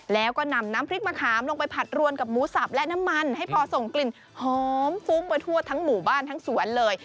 แล้วก็นำน้ำพริกมะขามลงไปผัดรวมกับหมูสับและน้ำมันให้พอส่งกลิ่นหอมฟุ้งไปทั่วทั้งหมู่บ้านทั้งสวนเลย